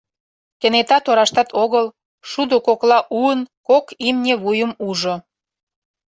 Кенета тораштат огыл, шудо кокла уын кок имне вуйым ужо.